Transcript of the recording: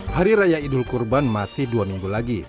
hari raya idul kurban masih dua minggu lagi